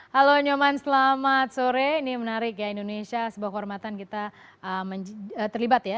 halo nyoman selamat sore ini menarik ya indonesia sebuah kehormatan kita terlibat ya